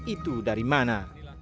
itu dari mana